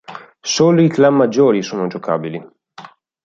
Solo i clan maggiori sono giocabili.